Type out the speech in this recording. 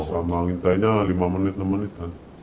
sama ngintainya lima menit enam menit